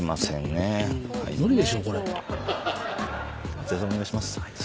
松也さんお願いします。